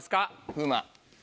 風磨